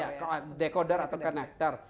ya decoder atau konektor